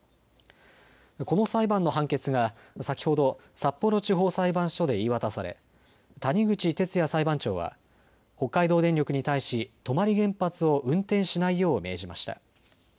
この裁判の判決が先ほど札幌地方裁判所で言い渡され谷口哲也裁判長は北海道電力に対し泊原発を運転しないよう命じました。